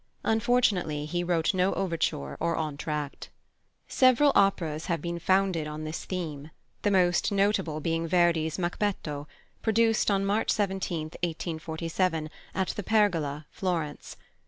Unfortunately, he wrote no overture or entr'actes. Several operas have been founded on this theme, the most notable being +Verdi's+ Macbetto, produced on March 17, 1847, at the Pergola, Florence.